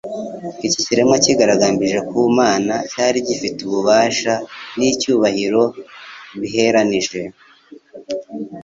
Iki kiremwa cyigaragambije ku Mana cyari gifite ububasha n' icvubahiro biheranije.